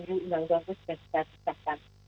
dan sudah disesakan